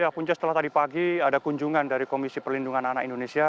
ya punca setelah tadi pagi ada kunjungan dari komisi perlindungan anak indonesia